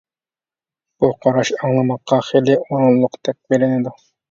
بۇ قاراش ئاڭلىماققا خېلى ئورۇنلۇقتەك بىلىنىدۇ.